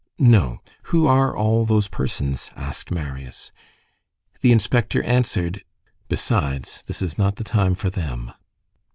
"No. Who are all those persons?" asked Marius. The inspector answered:— "Besides, this is not the time for them."